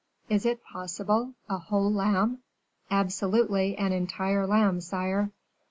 Is it possible! a whole lamb!" "Absolutely an entire lamb, sire."